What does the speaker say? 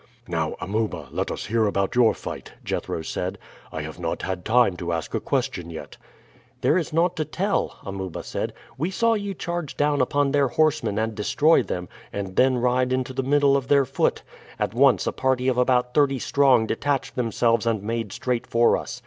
"Now, Amuba, let us hear about your fight," Jethro said. "I have not had time to ask a question yet." "There is naught to tell," Amuba said. "We saw you charge down upon their horsemen and destroy them, and then ride into the middle of their foot. At once a party of about thirty strong detached themselves and made straight for us.